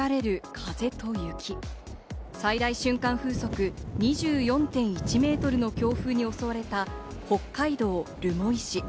風速２４．１メートルの強風に襲われた北海道留萌市。